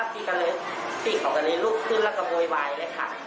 พี่ก็เลยพี่เขาก็เลยลุกขึ้นแล้วก็โวยวายเลยค่ะ